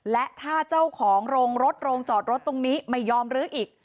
และถ้าเจ้าของโรงรถโรงจอดรถตรงนี้ไม่ยอมรื้ออีก